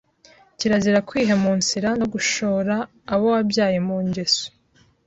Kirazira kwiheumunsira no gushora abo wabyaye mu ngeso